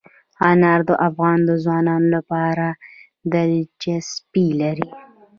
انار د افغان ځوانانو لپاره دلچسپي لري.